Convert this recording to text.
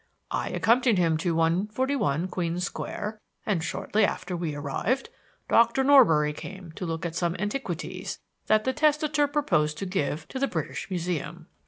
I accompanied him to 141, Queen Square, and shortly after we arrived Doctor Norbury came to look at some antiquities that the testator proposed to give to the British Museum.